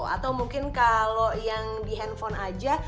atau mungkin kalau yang di handphone aja